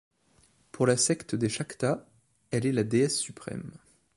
Pour la secte des Shakta, elle est la déesse suprême.